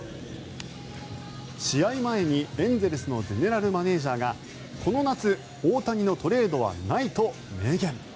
試合前にエンゼルスのゼネラルマネジャーがこの夏、大谷のトレードはないと明言。